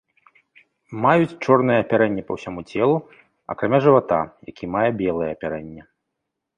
Маюць чорнае апярэнне па ўсяму целу, акрамя жывата які мае белае апярэнне.